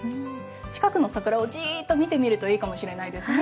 近くの桜をじっと見てみるといいかもしれませんね。